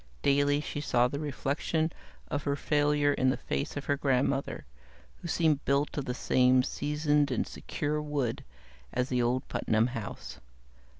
Daily she saw the reflection of her failure in the face of her grandmother, who seemed built of the same seasoned and secure wood as the old Putnam house.